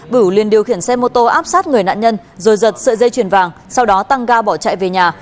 bửu liền điều khiển xe mô tô áp sát người nạn nhân rồi giật sợi dây chuyền vàng sau đó tăng ga bỏ chạy về nhà